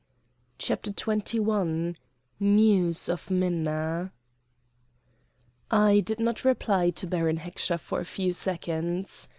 CHAPTER XXI NEWS OF MINNA I did not reply to Baron Heckscher for a few seconds.